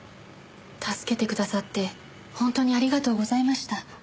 助けてくださって本当にありがとうございました。